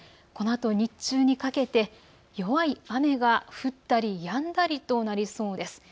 このあと日中にかけて弱い雨が降ったりやんだりとなりそうです。